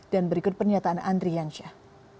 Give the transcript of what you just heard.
dan berikut pernyataan andri yansyah